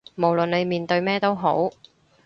無論你面對咩都好